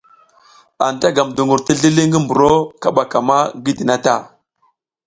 Anta gam duƞgur ti zlili ngi mburo kaɓa ka ma gidi na ta.